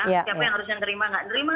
siapa yang harusnya menerima nggak menerima